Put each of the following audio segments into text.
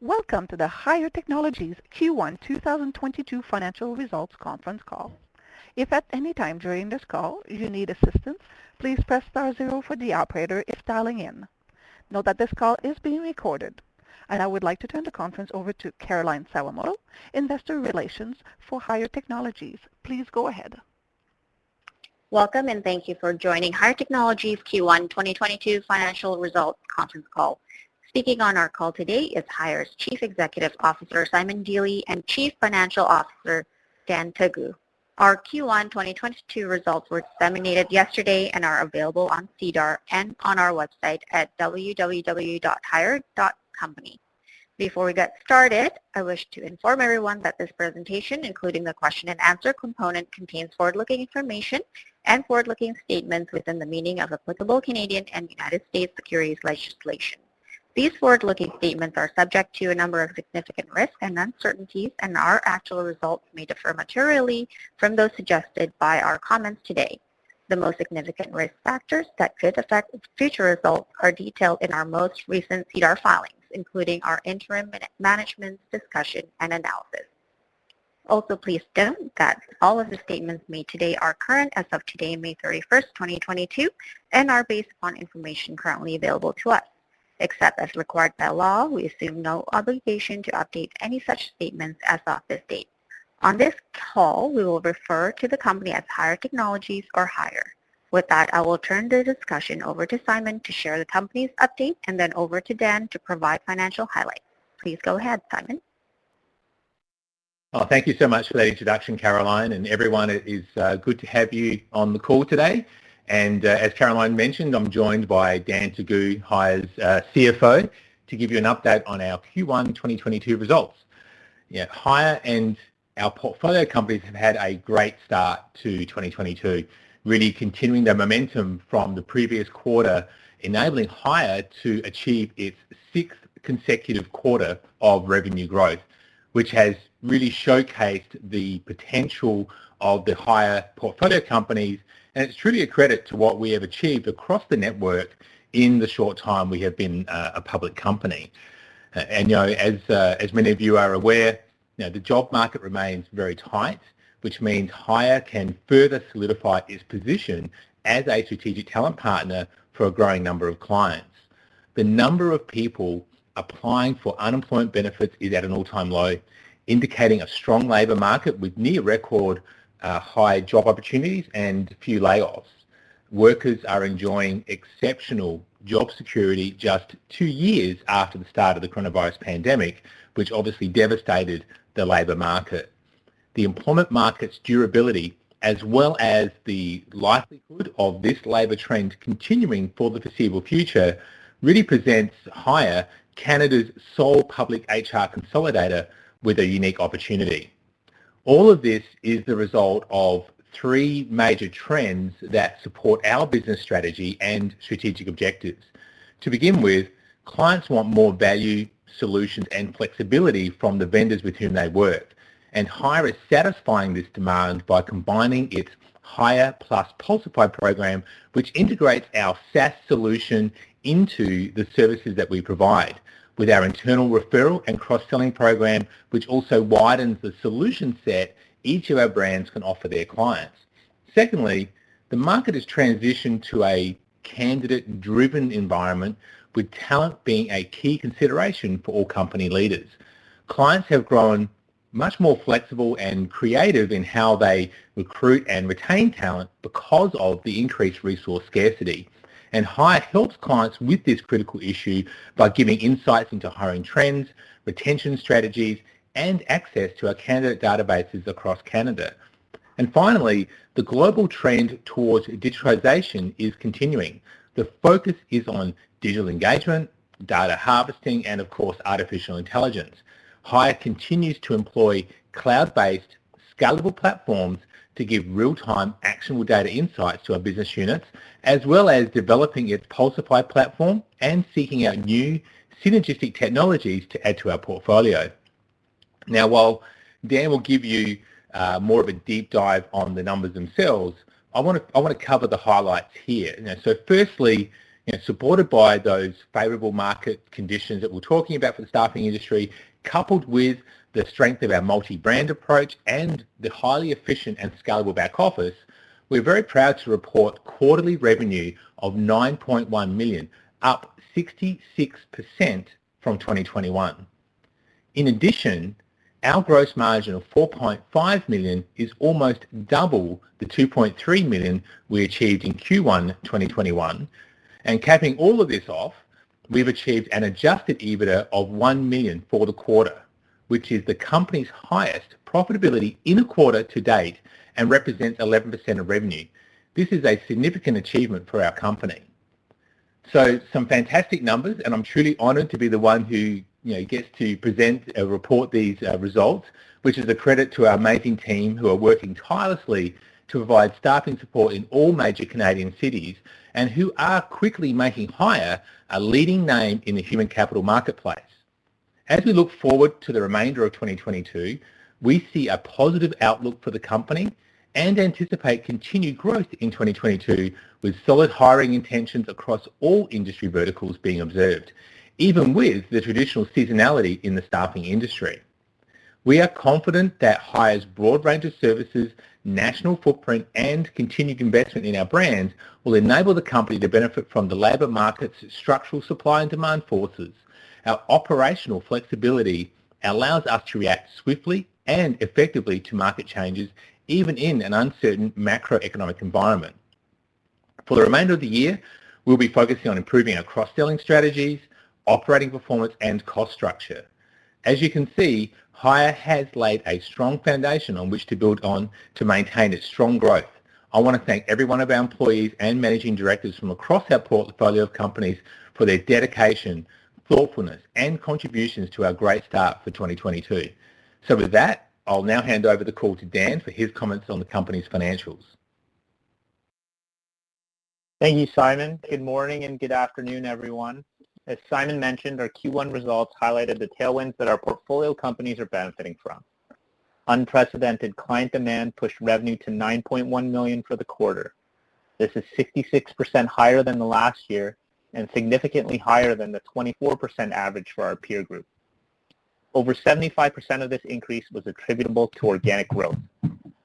Welcome to the HIRE Technologies Q1 2022 Financial Results Conference Call. If at any time during this call you need assistance, please press star zero for the operator if dialing in. Note that this call is being recorded. I would like to turn the conference over to Caroline Sawamoto, Investor Relations for HIRE Technologies. Please go ahead. Welcome and thank you for joining HIRE Technologies Q1 2022 financial results conference call. Speaking on our call today is HIRE's Chief Executive Officer, Simon Dealy, and Chief Financial Officer, Dan Teguh. Our Q1 2022 results were disseminated yesterday and are available on SEDAR and on our website at www.hire.company. Before we get started, I wish to inform everyone that this presentation, including the question and answer component, contains forward-looking information and forward-looking statements within the meaning of applicable Canadian and United States securities legislation. These forward-looking statements are subject to a number of significant risks and uncertainties, and our actual results may differ materially from those suggested by our comments today. The most significant risk factors that could affect future results are detailed in our most recent SEDAR filings, including our interim management's discussion and analysis. Please note that all of the statements made today are current as of today, May 31, 2022, and are based on information currently available to us. Except as required by law, we assume no obligation to update any such statements as of this date. On this call, we will refer to the company as HIRE Technologies or HIRE. With that, I will turn the discussion over to Simon to share the company's update and then over to Dan to provide financial highlights. Please go ahead, Simon. Oh, thank you so much for that introduction, Caroline. Everyone, it is good to have you on the call today. As Caroline mentioned, I'm joined by Dan Teguh, HIRE's CFO, to give you an update on our Q1 2022 results. Yeah, HIRE and our portfolio companies have had a great start to 2022, really continuing their momentum from the previous quarter, enabling HIRE to achieve its sixth consecutive quarter of revenue growth, which has really showcased the potential of the HIRE portfolio companies, and it's truly a credit to what we have achieved across the network in the short time we have been a public company. You know, as many of you are aware, you know, the job market remains very tight, which means HIRE can further solidify its position as a strategic talent partner for a growing number of clients. The number of people applying for unemployment benefits is at an all-time low, indicating a strong labor market with near record high job opportunities and few layoffs. Workers are enjoying exceptional job security just two years after the start of the coronavirus pandemic, which obviously devastated the labor market. The employment market's durability, as well as the likelihood of this labor trend continuing for the foreseeable future, really presents HIRE, Canada's sole public HR consolidator, with a unique opportunity. All of this is the result of three major trends that support our business strategy and strategic objectives. To begin with, clients want more value, solutions, and flexibility from the vendors with whom they work. HIRE is satisfying this demand by combining its Pulsify + HIRE program, which integrates our SaaS solution into the services that we provide, with our internal referral and cross-selling program, which also widens the solution set each of our brands can offer their clients. Secondly, the market has transitioned to a candidate-driven environment, with talent being a key consideration for all company leaders. Clients have grown much more flexible and creative in how they recruit and retain talent because of the increased resource scarcity. HIRE helps clients with this critical issue by giving insights into hiring trends, retention strategies, and access to our candidate databases across Canada. Finally, the global trend towards digitization is continuing. The focus is on digital engagement, data harvesting, and of course, artificial intelligence. HIRE continues to employ cloud-based scalable platforms to give real-time actionable data insights to our business units, as well as developing its Pulsify platform and seeking out new synergistic technologies to add to our portfolio. Now, while Dan will give you more of a deep dive on the numbers themselves, I wanna cover the highlights here. You know, firstly, you know, supported by those favorable market conditions that we're talking about for the staffing industry, coupled with the strength of our multi-brand approach and the highly efficient and scalable back office, we're very proud to report quarterly revenue of 9.1 million, up 66% from 2021. In addition, our gross margin of 4.5 million is almost double the 2.3 million we achieved in Q1 2021. Capping all of this off, we've achieved an Adjusted EBITDA of 1 million for the quarter, which is the company's highest profitability in a quarter to date and represents 11% of revenue. This is a significant achievement for our company. Some fantastic numbers, and I'm truly honored to be the one who, you know, gets to present or report these results, which is a credit to our amazing team who are working tirelessly to provide staffing support in all major Canadian cities and who are quickly making HIRE a leading name in the human capital marketplace. As we look forward to the remainder of 2022, we see a positive outlook for the company and anticipate continued growth in 2022 with solid hiring intentions across all industry verticals being observed, even with the traditional seasonality in the staffing industry. We are confident that HIRE's broad range of services, national footprint, and continued investment in our brands will enable the company to benefit from the labor market's structural supply and demand forces. Our operational flexibility allows us to react swiftly and effectively to market changes, even in an uncertain macroeconomic environment. For the remainder of the year, we'll be focusing on improving our cross-selling strategies, operating performance, and cost structure. As you can see, HIRE has laid a strong foundation on which to build on to maintain its strong growth. I want to thank every one of our employees and managing directors from across our portfolio of companies for their dedication, thoughtfulness, and contributions to our great start for 2022. With that, I'll now hand over the call to Dan for his comments on the company's financials. Thank you, Simon. Good morning and good afternoon, everyone. As Simon mentioned, our Q1 results highlighted the tailwinds that our portfolio companies are benefiting from. Unprecedented client demand pushed revenue to 9.1 million for the quarter. This is 66% higher than the last year and significantly higher than the 24% average for our peer group. Over 75% of this increase was attributable to organic growth,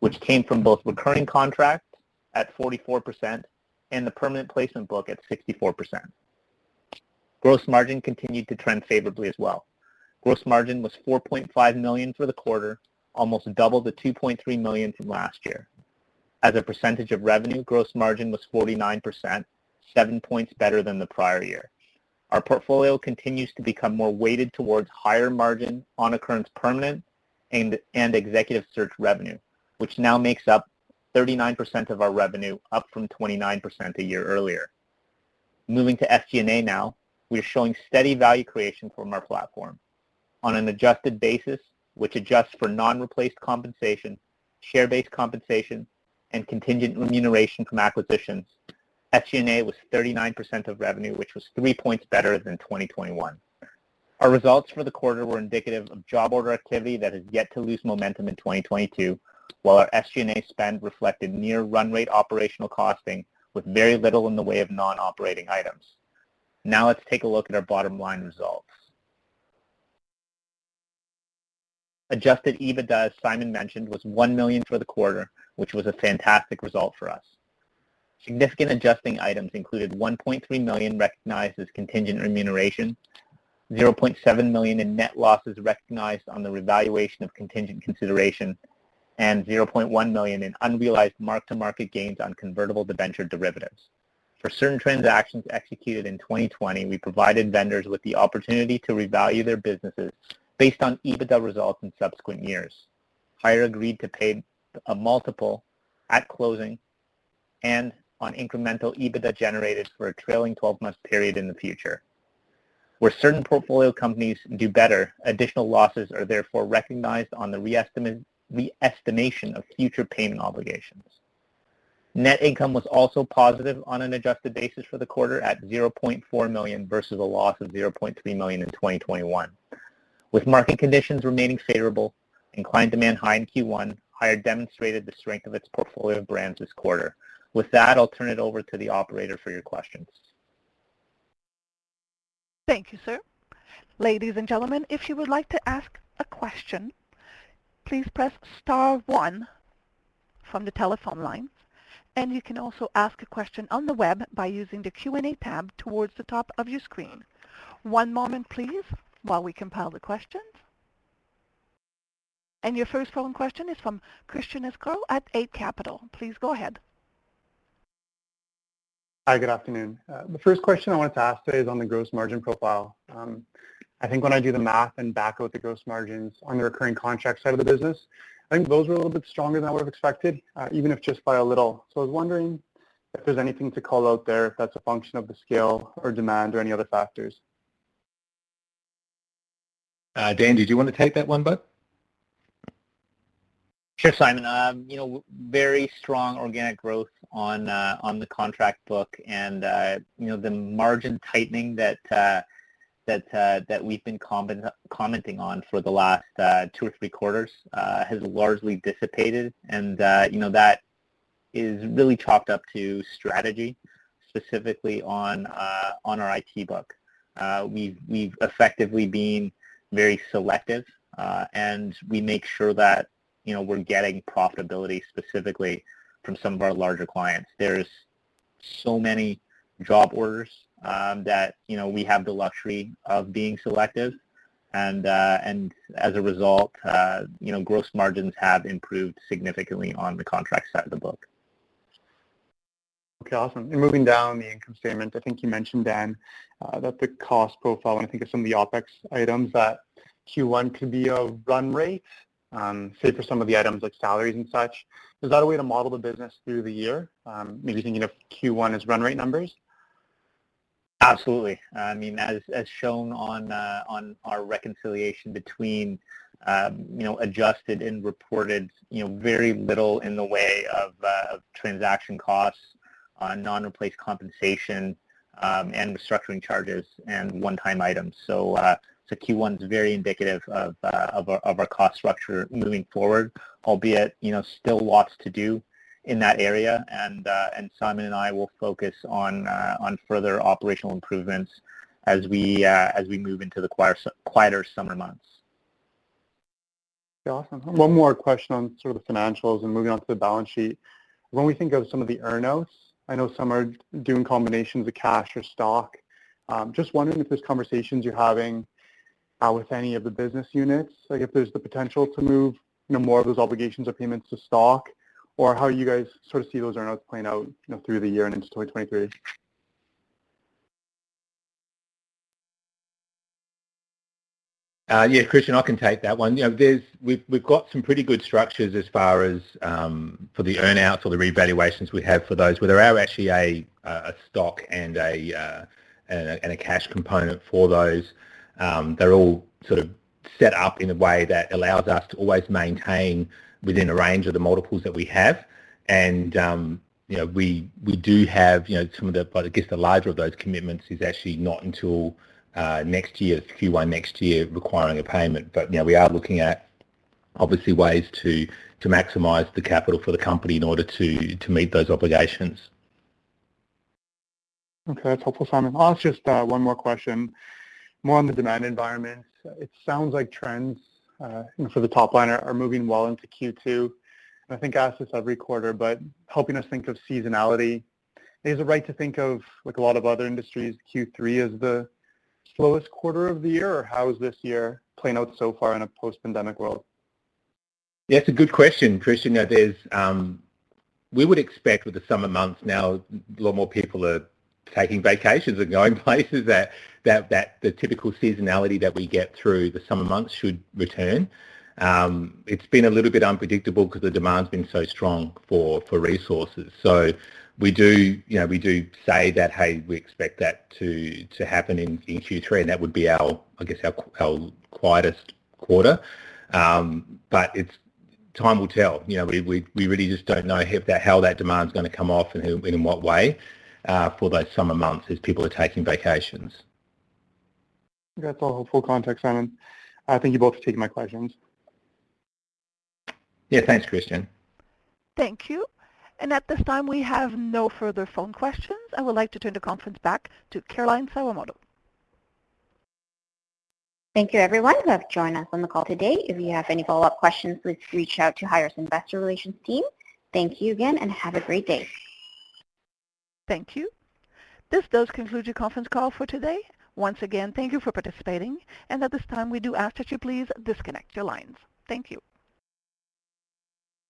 which came from both recurring contracts at 44% and the permanent placement book at 64%. Gross margin continued to trend favorably as well. Gross margin was 4.5 million for the quarter, almost double the 2.3 million from last year. As a percentage of revenue, gross margin was 49%, 7 points better than the prior year. Our portfolio continues to become more weighted towards higher margin non-recurring permanent and executive search revenue, which now makes up 39% of our revenue, up from 29% a year earlier. Moving to SG&A now, we are showing steady value creation from our platform. On an adjusted basis, which adjusts for non-replaced compensation, share-based compensation, and contingent remuneration from acquisitions, SG&A was 39% of revenue, which was 3 points better than 2021. Our results for the quarter were indicative of job order activity that has yet to lose momentum in 2022, while our SG&A spend reflected near run rate operational costing with very little in the way of non-operating items. Now let's take a look at our bottom line results. Adjusted EBITDA, as Simon mentioned, was 1 million for the quarter, which was a fantastic result for us. Significant adjusting items included 1.3 million recognized as contingent remuneration, 0.7 million in net losses recognized on the revaluation of contingent consideration, and 0.1 million in unrealized mark-to-market gains on convertible debenture derivatives. For certain transactions executed in 2020, we provided vendors with the opportunity to revalue their businesses based on EBITDA results in subsequent years. HIRE agreed to pay a multiple at closing and on incremental EBITDA generated for a trailing 12-month period in the future. Where certain portfolio companies do better, additional losses are therefore recognized on the reestimation of future payment obligations. Net income was also positive on an adjusted basis for the quarter at 0.4 million versus a loss of 0.3 million in 2021. With market conditions remaining favorable and client demand high in Q1, HIRE demonstrated the strength of its portfolio of brands this quarter. With that, I'll turn it over to the operator for your questions. Thank you, sir. Ladies and gentlemen, if you would like to ask a question, please press star one from the telephone lines, and you can also ask a question on the web by using the Q&A tab towards the top of your screen. One moment, please, while we compile the questions. Your first phone question is from Christian Sgro at Eight Capital. Please go ahead. Hi. Good afternoon. The first question I wanted to ask today is on the gross margin profile. I think when I do the math and back out the gross margins on the recurring contract side of the business, I think those were a little bit stronger than I would have expected, even if just by a little. I was wondering if there's anything to call out there if that's a function of the scale or demand or any other factors. Dan, did you want to take that one, bud? Sure, Simon. You know, very strong organic growth on the contract book and, you know, the margin tightening that we've been commenting on for the last two or three quarters has largely dissipated. You know, that is really chalked up to strategy, specifically on our IT book. We've effectively been very selective, and we make sure that, you know, we're getting profitability specifically from some of our larger clients. There's so many job orders that, you know, we have the luxury of being selective. As a result, you know, gross margins have improved significantly on the contract side of the book. Okay. Awesome. Moving down the income statement, I think you mentioned, Dan, that the cost profile, when I think of some of the OpEx items that Q1 could be a run rate, say for some of the items like salaries and such. Is that a way to model the business through the year, maybe thinking of Q1 as run rate numbers? Absolutely. I mean, as shown on our reconciliation between, you know, adjusted and reported, you know, very little in the way of transaction costs, non-replaced compensation, and restructuring charges and one-time items. So Q1 is very indicative of our cost structure moving forward, albeit, you know, still lots to do in that area. Simon and I will focus on further operational improvements as we move into the quieter summer months. Yeah. Awesome. One more question on sort of the financials and moving on to the balance sheet. When we think of some of the earn outs, I know some are doing combinations of cash or stock. Just wondering if there's conversations you're having with any of the business units, like if there's the potential to move, you know, more of those obligations or payments to stock or how you guys sort of see those earn outs playing out, you know, through the year and into 2023. Yeah, Christian, I can take that one. You know, we've got some pretty good structures as far as for the earn-outs or the revaluations we have for those, where there are actually a stock and a cash component for those. They're all sort of set up in a way that allows us to always maintain within a range of the multiples that we have. You know, we do have, you know, some of them, but I guess the larger of those commitments is actually not until next year, Q1 next year, requiring a payment. You know, we are looking at obvious ways to maximize the capital for the company in order to meet those obligations. Okay. That's helpful, Simon. I'll ask just one more question, more on the demand environment. It sounds like trends, you know, for the top line are moving well into Q2. I think I ask this every quarter, but helping us think of seasonality, is it right to think of like a lot of other industries, Q3 as the slowest quarter of the year? Or how is this year playing out so far in a post-pandemic world? Yeah, it's a good question, Christian. You know, we would expect with the summer months now a lot more people are taking vacations and going places that the typical seasonality that we get through the summer months should return. It's been a little bit unpredictable because the demand's been so strong for resources. We do, you know, we do say that, hey, we expect that to happen in Q3, and that would be our, I guess, our quietest quarter. But time will tell. You know, we really just don't know how that demand's gonna come off and in what way for those summer months as people are taking vacations. That's all helpful context, Simon. Thank you both for taking my questions. Yeah. Thanks, Christian. Thank you. At this time, we have no further phone questions. I would like to turn the conference back to Caroline Sawamoto. Thank you everyone who have joined us on the call today. If you have any follow-up questions, please reach out to HIRE's Investor Relations team. Thank you again and have a great day. Thank you. This does conclude your conference call for today. Once again, thank you for participating, and at this time we do ask that you please disconnect your lines. Thank you.